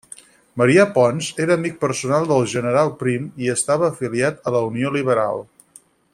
Marià Pons era amic personal del general Prim i estava afiliat a la Unió Liberal.